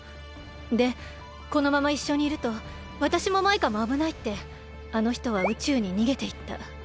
でこのままいっしょにいるとわたしもマイカもあぶないってあのひとは宇宙ににげていった。